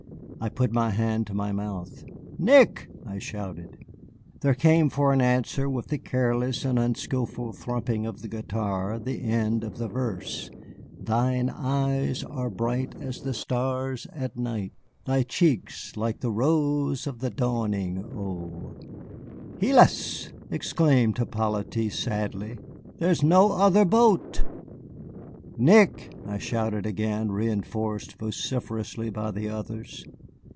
I put my hand to my mouth. "Nick!" I shouted. There came for an answer, with the careless and unskilful thrumming of the guitar, the end of the verse: "Thine eyes are bright as the stars at night, Thy cheeks like the rose of the dawning, oh!" "Hélas!" exclaimed Hippolyte, sadly, "there is no other boat." "Nick!" I shouted again, reënforced vociferously by the others.